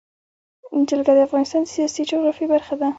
جلګه د افغانستان د سیاسي جغرافیه برخه ده.